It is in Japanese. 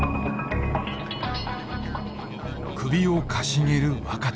首をかしげる若田。